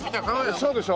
そうでしょ。